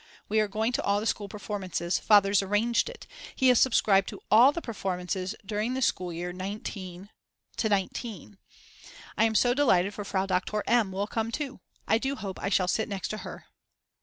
We are going to all the school performances, Father's arranged it; he has subscribed to all the performances during the school year 19 to 19 . I am so delighted for Frau Doktor M. will come too. I do hope I shall sit next to her.